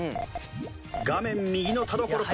画面右の田所君